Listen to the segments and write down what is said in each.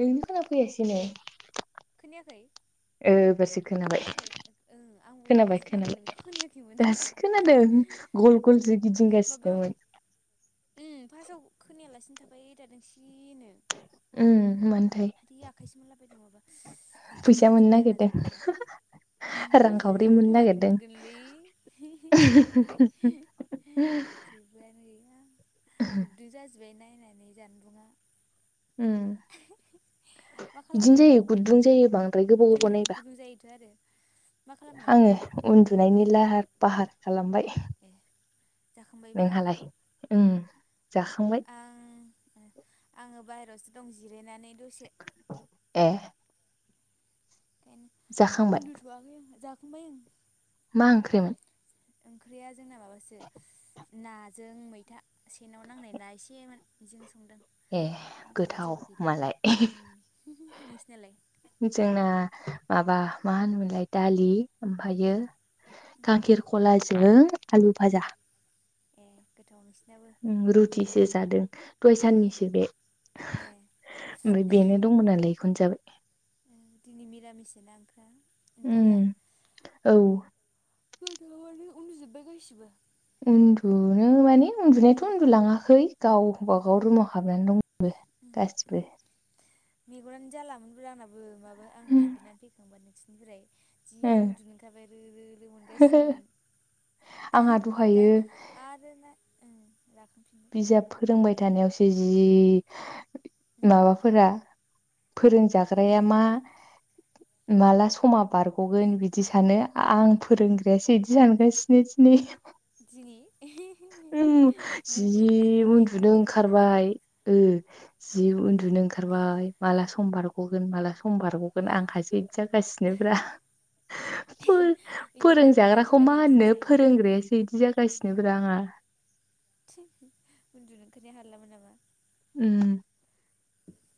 नोंनो खोना फैयासै ए नो खोनायाखै? ओ बासो खोनाबाय खोनायाखै ओं आंबो खोनाबाय दासो खोनादों नोंनिखौ खोनाबाय खोनायाखैमोन दास खोनादों गल गल जो माबा गिदिंगासिनोमोन उम फार्स्टआव खोनायालासिनो थाबाय थादों सिरिनो उम मोन आदै आखाइसो मोनलाबायदों माबा गुदुं फैसा मोननो जाजोबबाय आंना नागिरदों जानबुंआ रांखावरि मोननो मानि नागिरदों मोनगोनलै उम [inaudible] [inaudible] गुददु जाजोब्बाय नायनानै जानबुंङा उम मा बिदिनो खालामदों जायो गुदुं जायो बांद्रा उम [inaudible] [inaudible] गुदुं जायोथ' आरो मा खालामदों उम ए जाखांबायबो नामा नोंहालाय उम जाखांबाय [inaudible] आं आङो बाहेरायावसो दं जिरायनानै दसे ए जाखांबाय उन्दुथ'वाखै ओं जाखांबाय आं मा ओंख्रिमोन? ओंख्रिया जोंना माबासो नाजों मैथा सेनाव नांनाय ना एसेमोन बिजों ए गोथाव मालाय [inaudible] जोंना माबा मा होनोमोनलाय दालि उम ओमफायो गाखिरखलाजों आलु उम भाजा। ए गोथाव नोंसिनाबो उम रुथिसो जादो दय उम साननिसो बे ए ओमफ्राय बेनो दंमोन नालाय इखौनो जाबाय [inaudible] ओंख्रिया उम औ [inaudible] गोथावानो उन्दुजोब्बाय गासिबो उन्दुनो माने उन्दुनायाथ' उन्दुलाङाखै गावबागाव रुमाव हाबनानै दं बो गासिबो‌ मेगनानो जालामोनबो आंनाबो माबा आं दुगैनानै फैखांबाय नोंसिनिफ्राय जि उन्दुनो ओंखारबाय रो रो रो मोनगासिनोमोन हो आंहा ओमफाय दहायो दा आरो ना ओं राखांफिनबाय बिजाब फोरोंबाय थानायावसो जि उम माबाफोरा फोरोंजाग्राया उम मा माला समा उम बारग'गोन बिदि सानो आं फोरोंग्रायासो इदि सानगासिनो दिनै दिनि ओम जि मेंनानै उन्दुनो फैबायना ओंखारबाय ओ जि उन्दुनो ओंखायनो ओंखारबाय माला सम बारगगोन माला सम बारगगोन आं हासो बिदि जागासिनोब्रा [inaudible] इदिनो मेंनानै फोरोंजाग्राखौ मा फैबाथाय इदिनो होननो जायो फोरोंग्रायासो इदि जागासिनो ब्रा आंहा थि उन्दुनो ओंखारनाया हालामोन नामा ओम। ओ।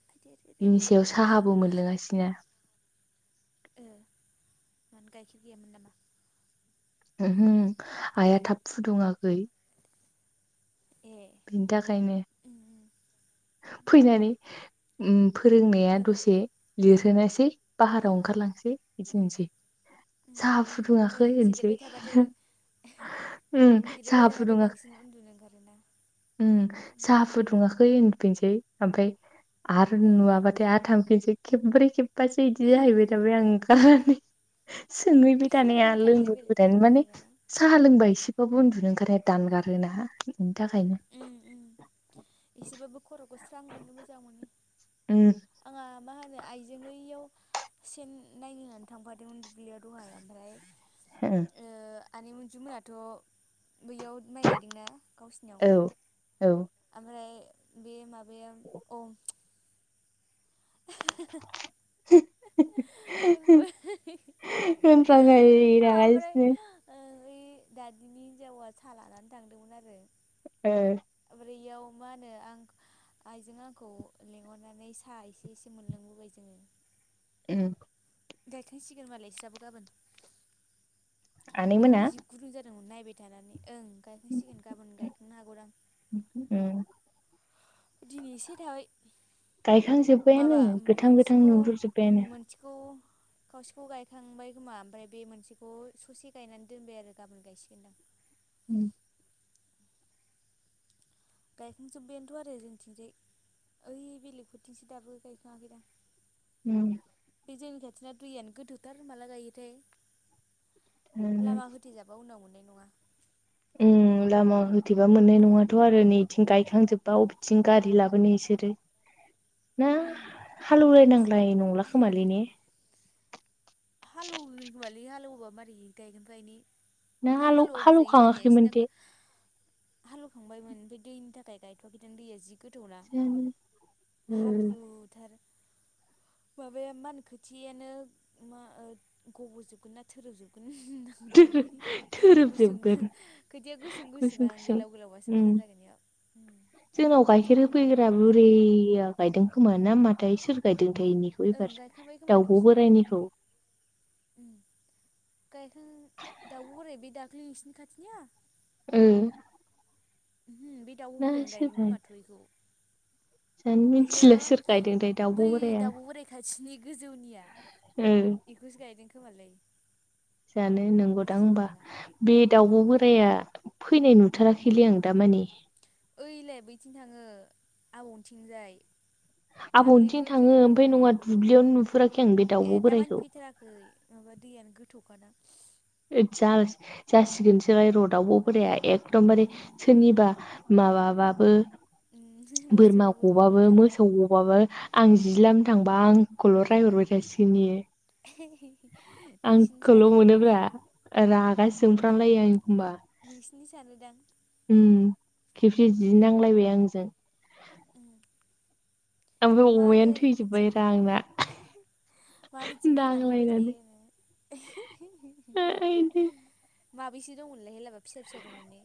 साहाबो मोनलोङासैना गायखेर गैयामोन नामा ओहो आइआ थाब फुदुङाखै ए बिनि थाखायनो उम उम फैनानै ओम फोरोंनाया ओ दसे लिरहोनोसै उम बाहाराव ओंखारलांनोसै उम एसेनोसै। उम साहा नों फुदुङाखै होनसै जिरायबाय थाबाथाय उम जिरायबाय साहा थाबाथाय फुदुङाखै बांसिन उन्दुनो ओंखारोना। उम साहा फुदुङाखै होनफिनसै ओमफ्राय आरो ओ नुवाबाथाय आरो थां? सै खेब्रै खेबबासो बिदि जाहैबाय थाबाय आं ओंखारनानै। सोंहैबाय थानाया थांलाय लोंबो फैलाय लुबैनानै थांलाय माने फैलाय नामा साहा लोंबा एसे। उन्दुनो ओंखारनाया दानगारोना बेनि थाखायनो। उम उम एसेबाबो खर'खौ स्रां मोनो मोजां मोनो। उम। आंहा मा होनो आइजों यैयाव सेन नायनो होननानै थांफादोंमोन दुब्लियाव दहाय ओमफ्राय ओ [inaudible] आनै मनजु मोनाथ' बैयाव माइ गायदोंना गावसिनियाव औ औ ओमफ्राय बे माबाया औ। [inaudible] [inaudible] ओमफ्राय [unintelligible] ओइ दादिनि हिनजावा सा लानानै थांदोंमोन आरो ओ बैयाव मा होनो आं आइजों आंखौ लेंंहरनानै साहा एसे एसे मोनलोंबोबाय जोङो उम गायखांसिगोन मालाय इस्राबो गाबोन आनैमोना जों नायबाय थानानै ओं गायखांसिगोन गाबोन गायखांनो हागौ दां उम दिनै एसे थाबाय गायखांजोब्बायानो माबा गोथां गोथां मोनसेखौ नुहुर जोब्बायानो मोनसेखौ खावसेखौ गायखांबाय खोमा ओमफ्राय बे मोनसेखौ ससे गायनानै दोनबाय आरो गाबोन गायसिगोनदां [inaudible] गायखांजोबबाययानोथ' आरो जोंथिंजाय ओइ बेलेगफोरथिंसो दाबो गायखाङाखैदां उम। बे जोंनि खाथिना दैयानो गोथौथार माला गायोथाय उम लामा होथेजाबा उनाव मोननाय नङा उम लामा होथेबा मोननाय नङाथ' आरो नैथिं गायखांजोब्बा अबेथिं गारि लाबोनो इसोरो ना उम बिदि जासिगोन हालेवलायनांलाय नंला खोमालै ने हालौहोगोन खोमालै हालेवोबा मारै गायगोन [unintelligible] नों आलौ हालौ एवखाङाखैमोन दे हालौवखांबायमोन बे दैनि थाखाय गायथवाखैदों दैया जि गोथौना जानो हाब्रुथार माबाया मा होनो खोथियानो मा ओ गबजोबगोन ना थोरोब जोबगोन [inaudible] [unintelligible] गुसुं थोरोबजोबगोन खोथिया गुसुं गुसुं आं गोलाव गोलावबासो उम मोजां जागोन इयाव। उम जोंनाव खोथिया गाइखेर गोलाव गोलाव होफैग्रा जाबासो बुरिया गायदों खोमा ना माथाय सोर गायदों थाय इनिखौ ओं एबार गायखांबाय खोमा दाउब थुइसिनाबो बोरायनिखौ गायखेर दाउब बोराय बे दाख्लै नोंसिनि खाथिनिया? ओ। ओम बे दाउब ना बोरायानो सोर गायगोन खोमाथ' इखौ। जानो मिथिला सोर गायदों थाय दाउब बै बोराया? दाउब' बोराय खाथिनि गोजौनिया ओ इखौसो गायदों खोमालै। जानो नंगौदां ओमबा मिथिलायलांला बे उम दाउब बोराया फैनाय नु उम थाराखैलै आं दामानि ओइलाय बैथिं थाङो आबौनिथिंजाय। [inaudible] दाख्लैबो थाङो फैदोंथ ओमफ्राय ओरै नङा दुब्लियावनो नुफेराखै आं बे ए दाउब' दामानि बोरायखौ फैथाराखै माबा दैयानो गोथौ [inaudible] जा जासिगोनसोलाय र' दावब बोराया एकदमबारे सोरनिबा माबाबाबो उम मोसौ बोरमा बोरमाफोर गबाबो थांबा मोसौ गबाबो आं जि लाम थांबा आंखौल' रायहरबाय थासिगोन इयो। नोंसिनि आंखौल' सानोफोरा मोनोब्रा रागा जोंफ्रांलायो आङो। नोंसिनि सानोदां ओम खेबसे जि नांलायबाय आंजों। आमफ्राय मानो अमायानो इथिं थैजोबबायरा आंना। मानो इथिं खानानै दोनबाय नांलायनानै थायो नोङो? आइदि माबैसे दंमोनलाय हेलाबा फिसा फिसा दंमोन ने?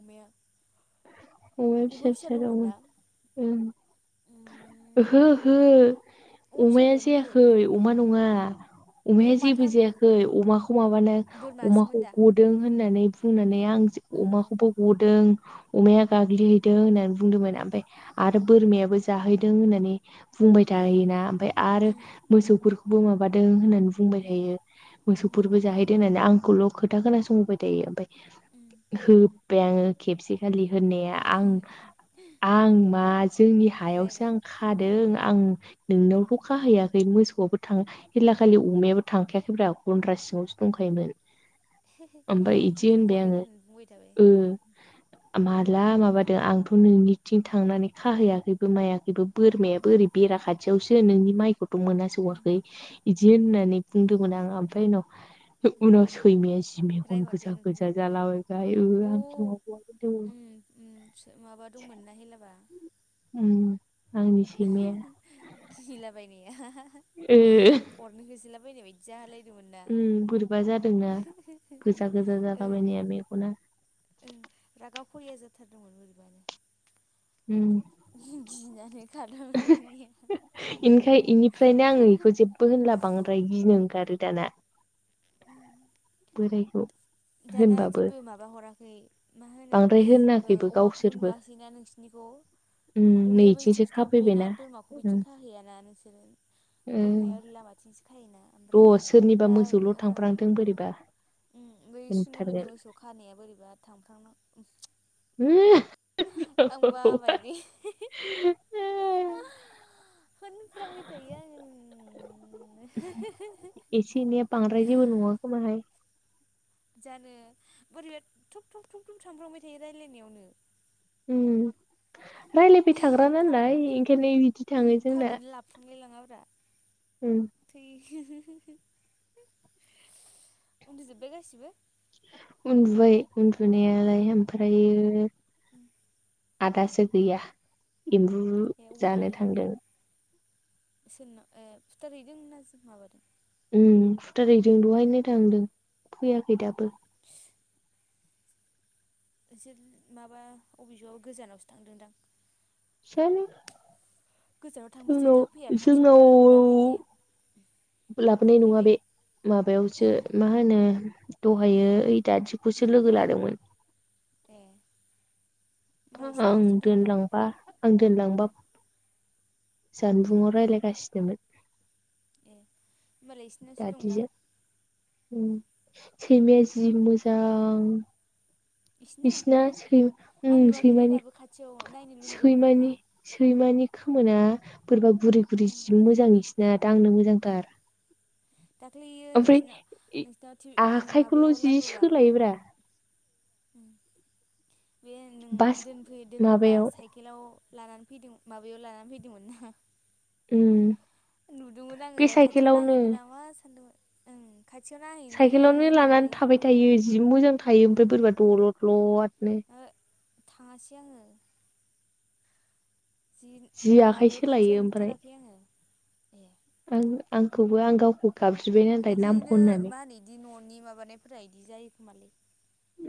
अमाया अमाया अमा फिसा फिसा दं दंमोन ना ओं। उम ओहो ओहो अमा फिसा अमाया गैयामोनलै जायाखै अमा नङा। अ अमाया जेबो माथाम जायाखै अमाखौ माबानो बोरमासोमोन अमाखौ दा गदों होननानै बुंनानै आं जो ओ ओ अमाखौबो गदों अमाया गाग्लिहैदों होननानै बुंदोंमोन उम ओमफाय आरो बोरमायाबो जाहैदों होननानै बुंबाय उम थायोना ओमफाय आरो उम मोसौफोरखौबो माबादों होनना बुंबाय उम थायो उम मोसौफोरबो जाहैदों होननानै आंखौल' खोथा खोनासंहोबाय थायो ओमफाय उम होब्बाय आङो खेबसेखालि होननाया आं आं मा जोंनि हायावसो आं रायहरबाय खादों आं नोंनावथ' उम खाहैयाखै मोसौ खौ [unintelligible] हेला खालि अमायाबो थांखायाखैब्रा गन्द्रा सिङावसो दंखायोमोन। ओमफ्राय इदि इखौनो होनबाय गदों आङो होननानै बुंबाय थाबाय। ओ माला माबादों आंथ' नोंनिथिं थांनानै खाहैयाखैबो मायाखैबो बोरमायाबो उम ओरै बेरा खाथियावसो नोंनि माइखौ बो मोनहा उम सौवाखै इदि होननानै उम बुंदोंमोन आं ओमफाय उनाव उनाव सैमाया जि जि मेगन रायहरदों गोजा नोंखौबो गोजा जालाबाय [unintelligible] आंखौ दों ओम ओम सो माबा दंमोन ना हेलाबा उम आंनि सैमाया गिलाबायनाया अरनो होसोला बायनाय बायदि जालाय ओम बोरैबा जादोंना गोजा गोजा जाला ओं बायनाया मेगना ओं रागा खरिया जाथारदोंमोन बोरैबानो। उम गिनानै खार [unintelligible] इनिखाय इनिफ्रायनो आङो बेखौ जेबो होनला बांद्राय गिनो ओंखारो दाना। उम [unintelligible] दाना होनबाबो जेबो माबा हराखै मा होनो बांद्राय ओ होनाखैबो अमाखौबो गावसोरबो नुवासैना नोंसिनि उम अमायाबो नैथिंसो इथिंसो थाफैबाय ना खाफैबायना बोरमाखौबो उम इथिं खाहैयाना नोंसोरो बोरमाया ओरै लामाथिंसो खायोना। ओमफ्राय र' सोरनिबा दा ओ मोसौल' थांफ्रांथों बोरैबा उम बै सुनुमोननि होनथारगोन मोसौ खानाया बोरैबा थांफ्रांनां- आं बाबायलै [unintelligible] होनफ्रांबाय थायो आङो। एसे एनैया बांद्राय जेबो नङा खोमाहाय। जानो बोरैबा थुब थुब थुब थुब थांफ्र्लांबाय थायो रायलायनायावनो। ओम रायलायबाय थाग्रा नालाय थालखौनो ओंखायनो इबादि उम थाङो जोंना। थालखौनो [inaudible] उम उन्दुजोबबाय गासिबो? उन्दुबाय उन्दुनायालाय ओमफ्रायो उम आदासो गैया एम्बु जानो थांदों। इसोरनाव ए फुथारहैदों ना जा माबादों? उम फुथारहैदों दहायनो थांदों फैयाखै दाबो। एसे माबा अबेजोआव गोजानावसो थांदोंदां? जानो गोजानाव थांबासो जोंनाव थाब फैया खाथियावबा जोंनाव आं दाबायदि ना लाबोनाय नङा फैबाय बे ए माबायावसो मा होनो दहायो उम ओइ उम दादिखौसो लोगो लादोंमोन। ए होमबा आं इसिनावसो दंदां दोनलांबा आं दोनलांबा उम उम जानबुंङाव रायलायगासिनोमोन। ए होमबालाय इसिनावसो दंदां दादिजों उम ओम सैमाया जि मोजां इसिना बिसिना सै आं ओम नुवाखैलै सैमानि दाबो खाथियाव नायनो लुुबैबाबो मोना सैमानि सैमानि खोमोना बोरैबा गुरै गुरै उम जि मोजां इसिना दांनो उम मोजांथार। दाख्लैयो ओमफ्राय नोंसिनाव नोंसिनाव थि ओ आखाइखौल' माबायाव जि लाबोबा सोलायोब्रा बे नों बास दोनफै दोनबोबा माबायाव साइकेलाव लानानै फैदों माबायाव लानानै फैदोंमोन ना उम। नुदोंमोन आङो बे खाथियाव साइकेलावनो नायहैनो नामा सानदोंमोन ओं खाथियाव नायहैनो साइकेलावनो लानानै होननानै थाबाय थायो जि मोजां थायो ओमफ्राय उम बोरैबा दलद-लदनो। ओहो थाङासै आङो। जि आखाइ माबायाव खाथियाव सोलायो ओमफ्राय नुथाराखै आङो। आं आंखौबो आं गावखौ गाबज्रिबाय नाथाय इदिनो नामखननानै मा होनो इदि न'नि माबानायफोरा इदि जायो खोमालै!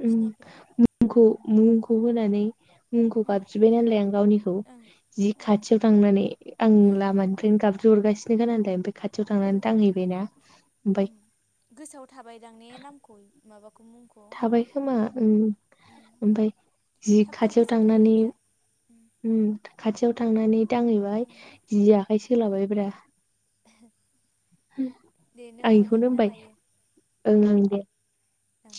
उम फिनायफोरा मुंखौ मुंखौ होनानै मुंखौ ओं गाबज्रिबाय नालाय आं गावनिखौ, ओं जि ओं खाथियाव थांनानै आं लामानिफ्रायनो गाबज्रि हरगासिनो [unintelligible] खाथियाव ओ थांनानै दांहैबायना ओमफाय उम गोसोआव थाबायदां ने नामखौ माबाखौ मुंखौ थाबाय खोमा ओम उम ओमफ्राय जि थाब थाब खाथियाव गोसोआव थायो थांनानै इदिया उम खाथियाव थांनानै दांहैबाय ओं जि आखाइ सोलाबायब्रा [unintelligible] [inaudible] उम आं दे नों हरफिन बेखौनो ना होनबाय मायो ओं ओं दे ओं